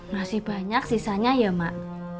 masih banyak sisanya ya mak